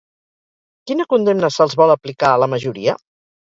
Quina condemna se'ls vol aplicar a la majoria?